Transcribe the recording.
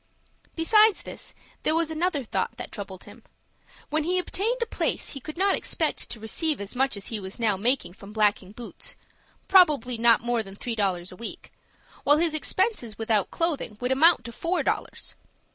Besides this, there was another thought that troubled him. When he obtained a place he could not expect to receive as much as he was now making from blacking boots,—probably not more than three dollars a week,—while his expenses without clothing would amount to four dollars.